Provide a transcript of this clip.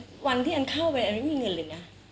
วันที่อันเข้าไปอันไม่มีเงินเลยนะ